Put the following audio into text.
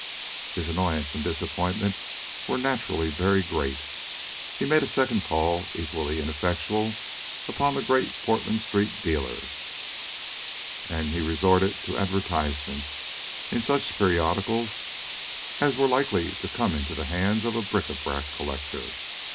His annoyance and disappointment were naturally very great. He made a second call (equally ineffectual) upon the Great Portland Street dealer, and he resorted to advertisements in such periodicals as were likely to come into the hands of a bric a brac collector.